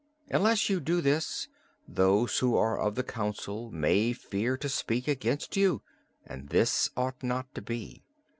Unless you do this, those who are of the council may fear to speak against you, and this ought not to be.